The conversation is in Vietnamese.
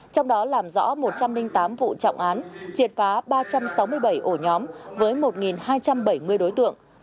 trong đó làm rõ một trăm linh tám vụ trọng án triệt phá ba trăm sáu mươi bảy ổ nhóm với một hai trăm bảy mươi đối tượng